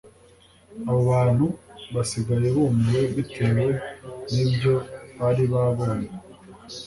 abo bantu basigaye bumiwe bitewe nibyo bari babonye